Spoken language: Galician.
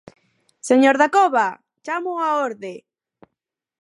¡Señor Dacova, chámoo á orde!